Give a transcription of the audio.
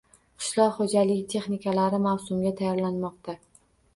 Qishloq xo‘jaligi texnikalari mavsumga tayyorlanmoqda